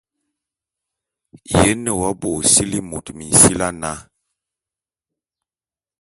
Ye nne w'abo ô sili'i môt minsili ana?